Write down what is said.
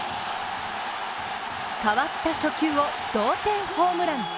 代わった初球を同点ホームラン。